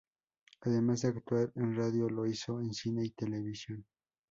Además de actuar en radio lo hizo en cine y televisión.